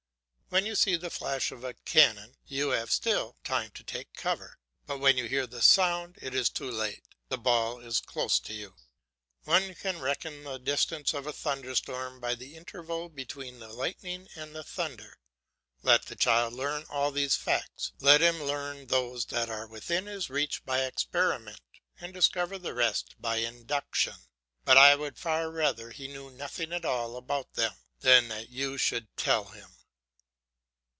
When you see the flash of a cannon, you have still time to take cover; but when you hear the sound it is too late, the ball is close to you. One can reckon the distance of a thunderstorm by the interval between the lightning and the thunder. Let the child learn all these facts, let him learn those that are within his reach by experiment, and discover the rest by induction; but I would far rather he knew nothing at all about them, than that you should tell him.